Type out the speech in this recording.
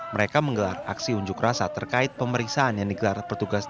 mereka menggelar aksi unjuk rasa terkait pemeriksaan yang digelar petugas